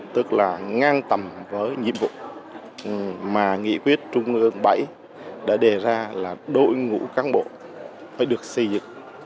tức là ngang tầm với nhiệm vụ mà nghị quyết trung ương bảy đã đề ra là đội ngũ cán bộ phải được xây dựng